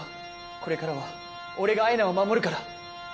これからは俺が愛菜を守るから。